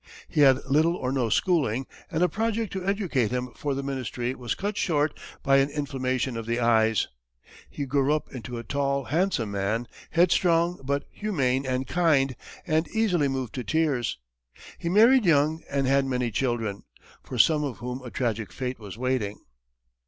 He had little or no schooling, and a project to educate him for the ministry was cut short by an inflammation of the eyes. He grew up into a tall, handsome man, headstrong, but humane and kind, and easily moved to tears. He married young and had many children, for some of whom a tragic fate was waiting.